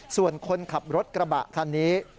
ส่วนคนขับรถกระบะคันนี้